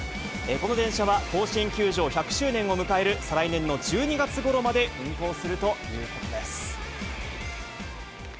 この電車は、甲子園球場１００周年を迎える再来年の１２月ごろまで運行するということです。